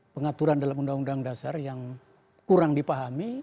pengaturan dalam undang undang dasar yang kurang dipahami